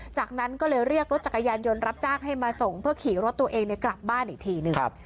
จากนั้นก็เลยเรียกรถจักรยานยนต์รับจ้างให้มาส่งเพื่อขี่รถตัวเองกลับบ้านอีกทีหนึ่ง